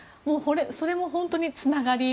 それも本当につながり。